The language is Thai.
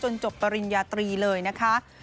จบปริญญาตรีเลยนะคะ